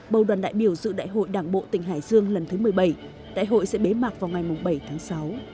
bầu đoàn đại biểu dự đại hội đảng bộ tỉnh hải dương lần thứ một mươi bảy đại hội sẽ bế mạc vào ngày bảy tháng sáu